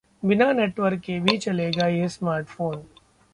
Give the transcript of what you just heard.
बिना नेटवर्क के भी चलेगा ये स्मार्टफोन